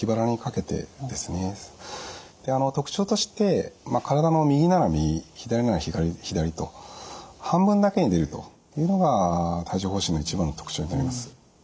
特徴として体の右なら右左なら左と半分だけに出るというのが帯状ほう疹の一番の特徴になります。